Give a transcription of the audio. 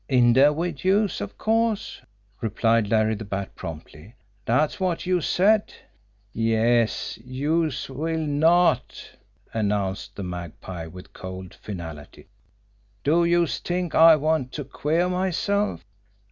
"In dere wid youse, of course," replied Larry the Bat promptly. "Dat's wot youse said." "Yes, youse will NOT!" announced the Magpie, with cold finality. "Do youse t'ink I want to queer myself!